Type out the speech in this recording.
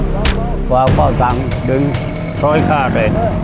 ก็ขอสั่งดึง๑๐๐ฆเลย